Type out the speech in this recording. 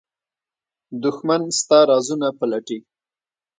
دښمن ستا رازونه پلټي